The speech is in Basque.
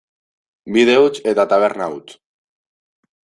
Bide huts eta taberna huts.